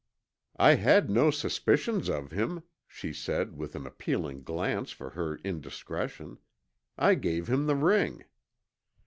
"I had no suspicions of him," she said with an appealing glance for her indiscretion. "I gave him the ring."